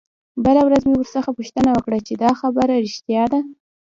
بله ورځ مې ورڅخه پوښتنه وکړه چې دا خبره رښتيا ده.